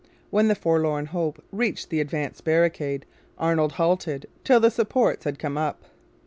When the forlorn hope reached the advanced barricade Arnold halted it till the supports had come up.